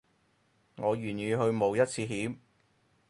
我願意去冒一次險